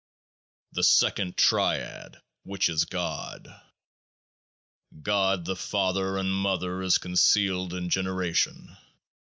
2 7 The Second Triad which is GOD GOD the Father and Mother is concealed in Generation.